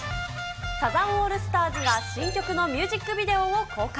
サザンオールスターズが、新曲のミュージックビデオを公開。